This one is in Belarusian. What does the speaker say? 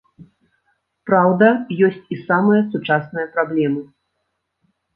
Праўда, ёсць і самыя сучасныя праблемы.